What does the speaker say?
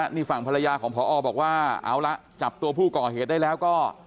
นี่ฝั่งภรรยาของพอบอกว่าเอาละจับตัวผู้ก่อเหตุได้แล้วก็